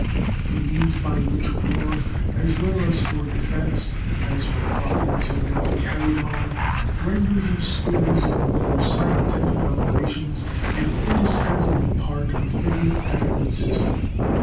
The means by which war, as well for defense as for offense, are now carried on render these schools of the more scientific operations an indispensable part of every adequate system.